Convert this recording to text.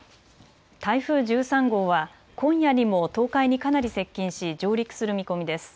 台風１３号は今夜にも東海にかなり接近し上陸する見込みです。